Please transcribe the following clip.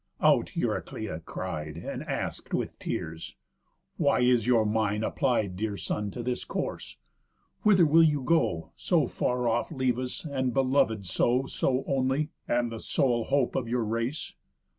Out Euryclea cried, And ask'd with tears: "Why is your mind applied. Dear son, to this course? Whither will you go? So far off leave us, and belovéd so, So only? And the sole hope of your race?